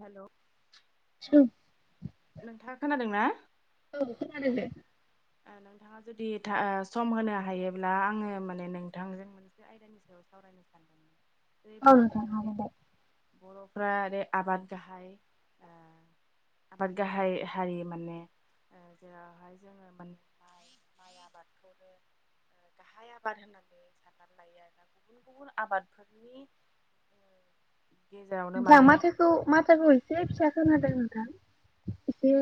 हेल' स [inaudible] नोंथाङा खोनादों ना खोनादों दे ओ नोंथाङा जुदि ओ सम होनो हायोब्ला आङो माने नोंथांजों मोनसे आयदानि सायाव सावरायनो सानदोंमोन जेरै औ नोंथां बर'फ्रा बे हागोन दे बर'फ्रा आरो आबाद गाहाय ओ आबाद गाहाय हारि माने जेरावहाय जोङो मोन म माइ आबादखौनो [unintelligible] गाहाय आबाद होननानै साननानै लायो आरोना गुबुन गुबुन आबादफोरनि औ नोंथां माथोखौ माथाखौ एसे फिसा खोनादों नोंथां एसे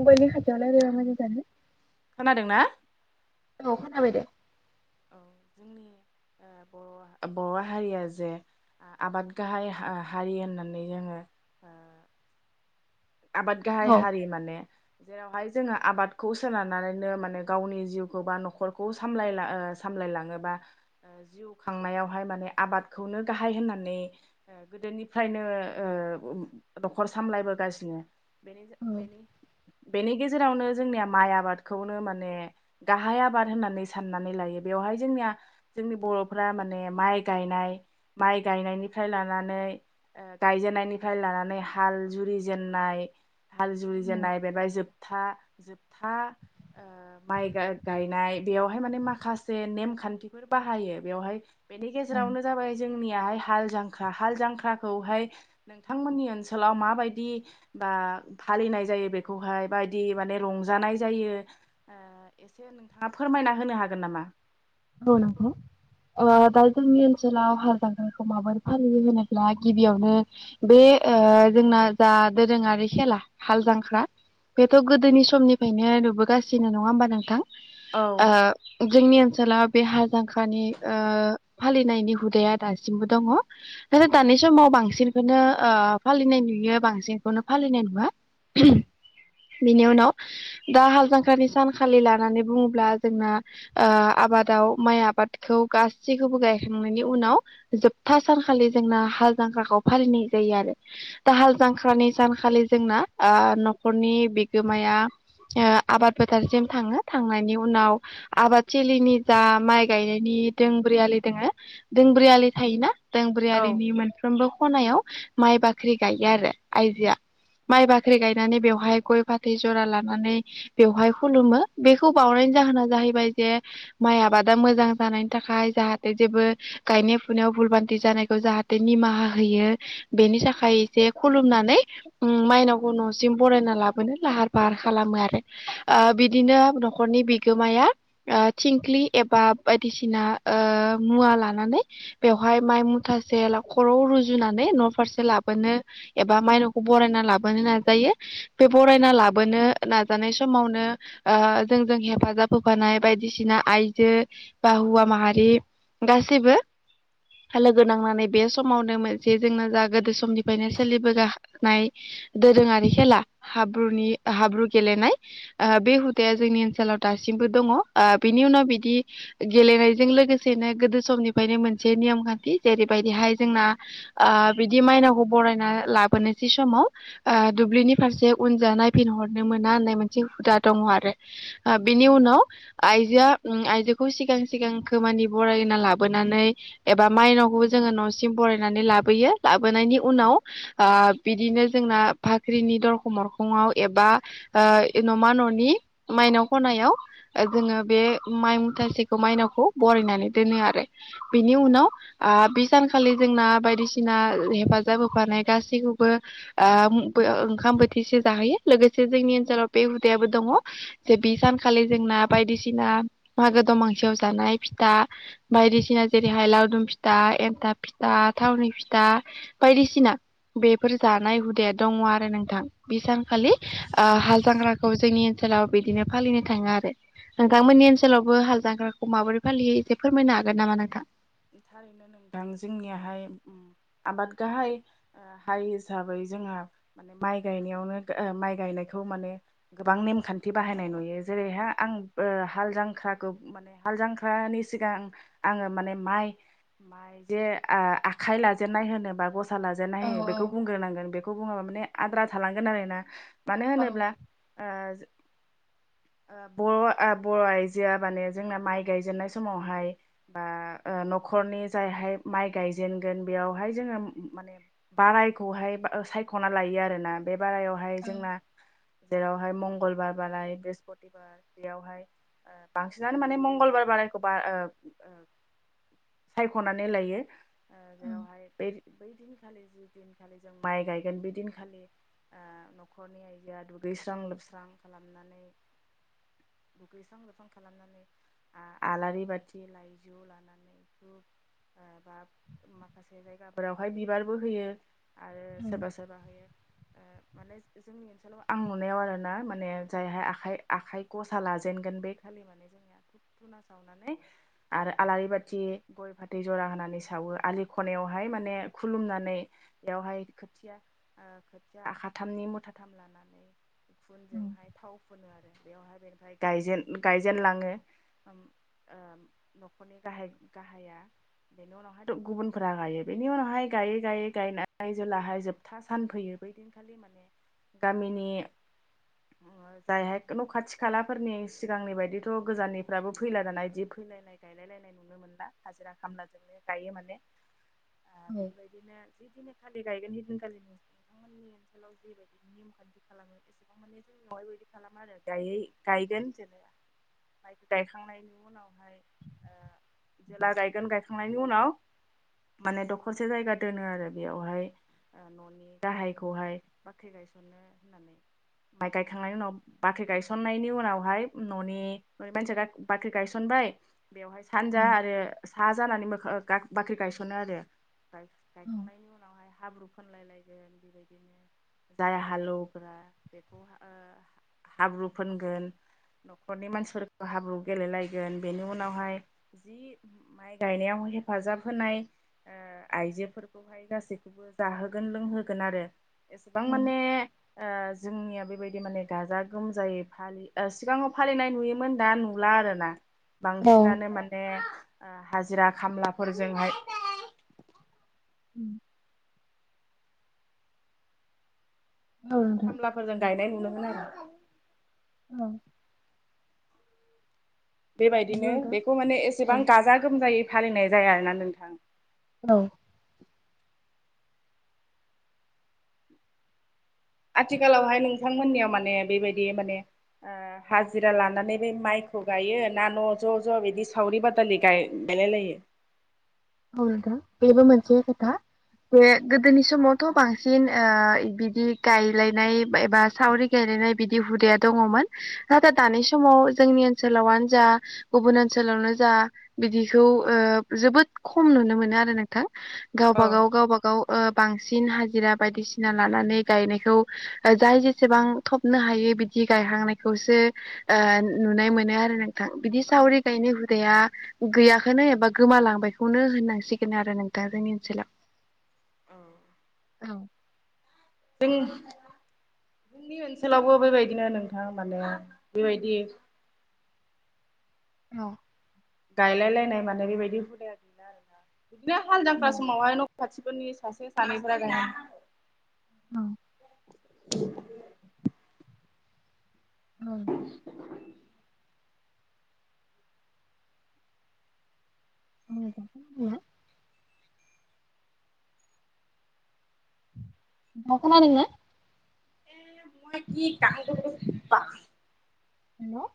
मबाइलनि खा जाल र ज [unintelligible] खोनादों ना औ खोनाबाय दे औ जोंनि ओ बर' बर' हारिया जे आबाद गाहाय हारि होननानै जोङो ओ आबाद गाहाय औ हारि माने। जेरावहाय जोङो आबादखौ सोनारनानैनो माने गावनि जिउखौ बा न'खरखौ सामलायला ओ साम लाय लाङोबा जिउ खांनायावहाय माने आबादखौनो गाहाय होननानै ओ गोदोनिफ्रायनो ओ ओ न'खर सामलायबो गासिनो बेनि औ बेनि। बेनि गेजेरावनो जोंनिया माइ आबादखौनो माने गाहाय आबाद होननानै साननानै लायो। बेवहाय जोंनिया जोंनि बर'फ्रा माने माइ गायनाय माइ गायनायनिफ्राय लानानै ओ गायजेननायनिफ्राय लानानै हाल जुरि जेननाय हाल जुर औ जेननाय बेबाय जोबथा जोबथा ओ माइ गाय गायनाय बेवहाय माने माखासे नेमखान्थिफोर बाहायो बेवहाय बेनि गेजेरावनो जाबाय जोंनियाहाय हाल जांख्रा हाल जांख्राखौहाय नोंथांमोननि ओनसोल व माबायदि बा फालिनाय जायो बेखौहाय बायदि माने रंजानाय जायो ओ एसे नोंथाङा फोरमायना होनो हागोन नामा? औ नंगौ। अ दा जोंनि ओनसोलाव हार जांग्राखौ माबोरै फालियो होनोब्ला गिबियावनो बे ओ जोंना जा दोरोङारि खेला हाल जांख्रा बेथ' गोदोनि समनिफ्रायनो नुबोगासिनो नङा होमबा नोंथां? औ ओ जोंनि ओनसोलाव बे हार जांखानि ओ फालिनायनि हुदाया दासिमबो दङ आरो दानि समाव बांसिनखौनो ओ फालिनाय नुयो बांसिनखौनो फालिनाय नुवा। उम। बिनि उनाव दा हाल जांख्रानि सानखालि लानानै बुङोब्ला जोंना ओ आबाद दाव माइ आबादखौ गासैखौबो गायखांनायनि उनाव जोबथा सानखालि जोंना हाल जां ख्राखौ फालिनाय जायो आरो दाहाल जांख्रानि सानखालि जोंना ओ न'खरनि बिगोमाया ओ आबाद फोथारसिम थाङो थांनायनि उनाव आबादथिलिनि जा माइ गायनायनि दोंब्रि आलि दोङो दोंब्रि आलि थायोना औ दोंब्रियारिनि मोनफ्रोमबो खनायाव माइ बाख्रि गायो आरो आइजोआ। माइ बाख्रि गायनानै बेवहाय गय फाथै जरा लानानै बेवहाय खुलुमो बेखौ बावनाय नि जाहोना जाहैबाय जे माइ आबादा मोजां जानायनि थाखाय जाहाथे जेबो गायनाय फुनायाव भुलबान्थि जानायखौ जाहाथे नि माहा होयो बेनि थाखाय एसे खुलुमनानै उम माइनावखौ न'सिम बरायना लाब मोनो लाहार फाहार खालामो आरो ओ बिदिनो न'खरनि बिगोमाया ओ थिंख्लि एबा बायदिसिना ओ मुवा लानानै बेवहाय माइ मुथासे खराव रुजुनानै न' फारसे लाबोनो एबा मायनावखौ बरायना लाबोनो नाजायो बे बरायना लाबोनो नाजानाय समावनो ओ जोंजों हेफाजाब होफानाय बायदिसिन ना आइजो बा हौवा माहारि गासैबो लोगो नांनानै बे समावनोमोन जे जोंना जा गोदो समनिफ्रायनो सोलिबोगा नाय दोरोङारि खेला हाब्रुनि हाब्रु गेलेनाय ओ बे हुदाया जोंनि ओनसोलाव दा दासिमबो दङ। ओ बिनि उनाव बिदि गेलेनायजों लोगोसेनो गोदो समनिफ्रायनो मोनसे नियम खान्थि जेरैबा बिदिहाय जोंना ओ बिदि मायनावखौ बरायना लाबोनोसै समाव ओ दुब्लिनि फारसे उनजा नायफिनहरनो मोना होननाय मोनसे हुदा दङ आरो ओ बेनि उनाव आइजोआ उम आइजोखौ सिगां सिगांगोमानि बरायना लाबोनानै एबा माइनावखौबो जों जोङो न'सिम बरायनानै लाबोयो लाबोनायनि उनाव ओ बिदिनो जोंना भाख्रिनि दर खरखङआव एबा ओ न'मा न'नि माइनाव खनायाव ओ जोङो बे माइ मुथासेखौ मायनावखौ बरायनानै दोनो आरो बेनि उनाव आ आ बि सानखालि जोंना बायदिसिना हेफाजाब होफानाय गासैखौबो ओ ओंखाम बोथिसे जाहोयो लोगोसे जोंनि ओनसोलाव बे हुदायाबो दङ जे बे सानखालि जोंना बायदिसिना मागो दमासियाव जानाय फिथा बायदिसिना जेरैहाय लावदुम फिथा। एन्थाब फिथा थावनि फिथा बायदिसिना बेफोर जानाय हुदाया दङ आरो नोंथां बेसां खालि ओ औ हाल जांग्राखौ जोंनि ओनसोलाव बिदिनो फालिनो थाङो आरो नोंथांमोननि ओनसोलावबो हाल जांग्राखौ माबोरै फालियो एसे फोरमायनो हागोन नामा नोंथां। थारैनो नोंथां जोंनियाहाय उम आबाद गाहाय ओ हाय हिसाबै जोंहा माइ गायनायावनो ओ माइ गायनायखौ माने गोबां नेमखान्थि बाहायनाय नुयो जेरैहा आं ओ हाल जांख्राखौ माने हाल जांख्रानि सिगां आङो माने माइ माइ जे ओ आखाइ लाजेननाय होनोबा ग सा औ लाजेननाय होयो बेखौ बुंग्रोनांगोन बेखौ बुङाबा माने आद्रा थालांगोन आरो ना मानो औ होनोब्ला ओ ओ बर' ओ बर' आइजोआ माने जोंना माइ गायजेननाय समावहाय बा ओ नखरनि जायहाय माइ गायजेनगोन बेयावहाय जोङो माने बारायखौहाय ओ सायख'ना लायो आरोना बे बारायावहाय जोंना जेरावहाय मंगलबार बाराय बृहस्पति बाराय बेयावहाय ओ बांसिनानो माने मंगलबार बा रायखौबा ओ ओ सायखनानै लायो ओ जेरावहाय बे बै दिनखालि जि दिनखालि जों माइ गायगोन बे दिनखालि ओ नखरनि आइजोआ दुगै - दुगैस्रां लोबस्रां खालामनानै। दुगैस्रां लोबस्रां खालामनानै आं आलारि बाथि लाइजौ लानानै बा माखासे जायगाफोरावहाय बिबारबो होयो। आरो सोरबा सोरबा होयो ओ माने जोंनि ओनसोलाव आं नुनायाव आरो ना माने जायहाय आखाइ आखाइ गसा लाजेनगोन बे खालि। माने जोंनिया धुप धुना सावनानै आरो आलारि बाथ थि गय फाथै जरा होनानै सावो आलि खनायावहाय माने खुलुमनानै बेयावहाय थिया ओ खोथिया आखाथामनि मुथाथाम लानानै खुनजोंहाय थाव फोनो आरो बेवहाय बेखाय गायजेन गायजेनलाङो ओम ओ नखरनि गाहाय गाहाया बेनि उनावहायथ' गुबुनफ्रा गायो बेनि उनावहाय गायै गायै गायनाय जेलाहाय जोबथा सान फैयो बैदिनखालि माने गामिनि ओ जायहाय न' खाथि खालाफोरनि सिगांनि बायदिथ' गोजाननिफ्राबो फैला दाना बिदि फै फैलायनाय गायलायलायनाय नुनो मोनला हाजिरा खामला जोंनो गायो माने ओ बेफोरबायदिनो जिखिनि खालि गायगोन ओइदिन खालिनो बिथांमोननि ओनसोलाव जेबायदि नेम खान्थि खालामो एसेबां माने जोंनियावहाय बेबायदि खालामा आरो दायो गाय गोन जेनेबा माइ गायखांनायनि उनावहाय ओ जेला गायगोन गायखांनायनि उनाव माने दखरसे जायगा दोनो आरो बेयावहाय ननि गाहायखौहाय बाख्रि गायसननो होननानै।। माइ गायखांनायनि उनाव बाख्रि गायसननायनि उनावहाय ननि मानसिया बाख्रि गायसनबा हाय बेवहाय सानजा आरो साहा जानानै मोखां ओ गाग बाख्रि गायसनो आरो। गायखांनायनि उनावहाय हाब्रु फुनलायलायगोन बेबायदिनो जाय हालौवग्रा बेखौ हा ओ हाब्रु फुनगोन न'खरनि मानसिफोरखौ हाब्रु गेलेलायगोन बेनि उनावहाय जि माइ गायनायाव हेफाजाब होनाय ओ आइजोफोरखौहाय गासैखौबो जाहोगोन लोंहोगोन आरो एसेबां माने ओ जोंनिया बेबायदि माने गाजा गोमजायै फालि ओ सिगाङाव फालिनाय नुयोमोन दा नुला आरोना बांसिनानो मान ओ हाजिरा खामलाफोरजोंहाय खामलाफोरजों गायनाय नुनो मोनो आरो। बेबायदिनो बेखौ माने एसेबां गाजा गोमजायै फालिनाय जाया आरो ना नोंथां औ आथिखालावहाय नोंथांमोननियाव माने बेबायदि माने ओ हाजिरा लानानै बे माइखौ गायो ना न' ज' ज' बिदि सावरि बादालि गाय गायलायलायो औ नोंथां बेबो मोनसे खोथा। बे गोदोनि समावथ' बांसिन ओ बिदि गायलायनाय एबा सावरि गाय नाय बि हु दंङमोन नाथाय दानि समाव जोंनि ओनसोलावनो जा गुबुन ओनसोल नो जा बिदिखौ ओ जोबोद खम नुनो मोनो आरो नोंथां औ गावबा गाव गावबा गाव ओ बांसिन हाजिरा बायदिसिना लानानै गायनायखौ जाय जेसेबां थबनो हायो बिदि गायहांनायखौसो ओ नुनाय मोनो आरो नोंथां बिदि सावरि गायनाय हुदाया गैयाखौनो एबा गोमालांबायखौनो होननांसिगोन आरो नोंथां जोंनि ओनसोलाव औ औ [unintelligible] जोंनि ओनसोलावबो बेबायदिनो नोंथां माने बेबायदि औ गायलाय लायनाय माने बेबायदि हुदाया गैला आरोना बिदिनो हाल जांख्रा औ समावहाय न' खाथि फोरनि सासे सानैफोरा गायो औ [inaudible] औ [unintelligible] दखनानि ने? [unintelligible] हेलौ